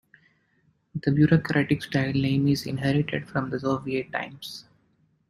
The bureaucratic-style name is inherited from the Soviet times.